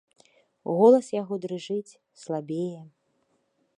Голас яго дрыжыць, слабее.